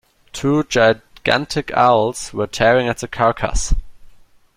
Two gigantic owls were tearing at the carcass.